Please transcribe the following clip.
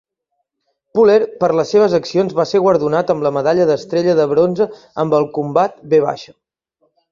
Puller, per les seves accions, va ser guardonat amb la Medalla d'estrella de bronze amb el combat "V".